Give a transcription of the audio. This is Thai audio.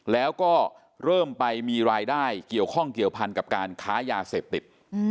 แล้วก็เริ่มไปมีรายได้เกี่ยวข้องเกี่ยวพันกับการค้ายาเสพติด